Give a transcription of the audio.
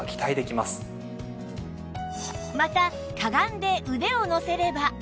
またかがんで腕を乗せれば